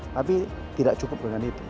tapi tidak cukup dengan itu